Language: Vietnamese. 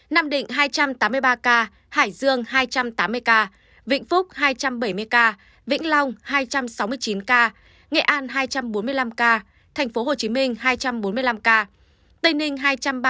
nam định hai trăm tám mươi ba ca hải dương hai trăm tám mươi ca vĩnh phúc hai trăm bảy mươi ca vĩnh long hai trăm sáu mươi chín ca nghệ an hai trăm bốn mươi năm ca thành phố hồ chí minh hai trăm bốn mươi năm ca tây ninh hai trăm ba mươi chín ca